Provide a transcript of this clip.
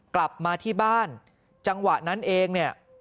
กลับมาที่บ้านจังหวะนั้นเองเนี่ย